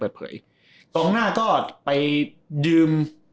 ตรงหน้าก็ไปยืม